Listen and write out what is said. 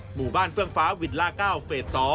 หมู่บ้านเฟื่องฟ้าวิลล่า๙เฟส๒